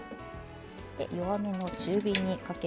弱めの中火にかけます。